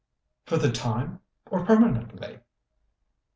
"For the time or permanently?"